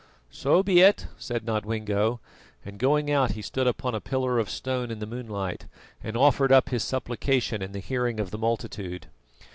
"So be it," said Nodwengo, and going out he stood upon a pillar of stone in the moonlight and offered up his supplication in the hearing of the multitude.